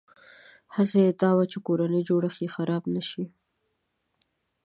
هڅه یې دا وي چې کورنی جوړښت یې خراب نه شي.